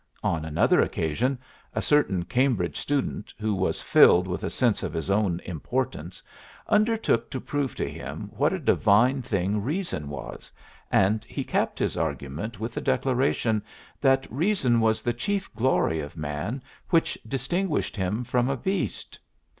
On another occasion a certain Cambridge student, who was filled with a sense of his own importance, undertook to prove to him what a divine thing reason was, and he capped his argument with the declaration that reason was the chief glory of man which distinguished him from a beast.